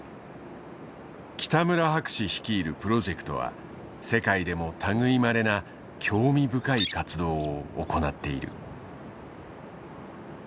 北村博士率いるプロジェクトは世界でも類いまれな興味深い活動を行っている。